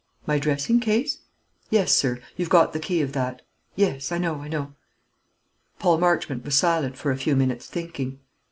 "My dressing case?" "Yes, sir. You've got the key of that." "Yes; I know, I know." Paul Marchmont was silent for a few minutes, thinking.